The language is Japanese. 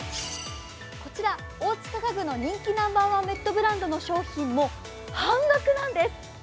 こちら大塚家具の人気ナンバーワンベッドブランドの商品も半額なんです。